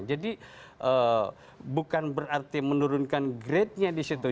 bukan berarti menurunkan grade nya di situ